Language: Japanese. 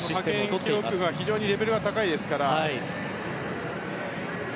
派遣記録が非常にレベルが高いですから。